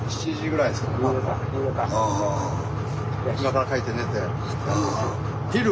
今から帰って寝て。